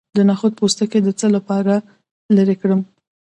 د نخود پوستکی د څه لپاره لرې کړم؟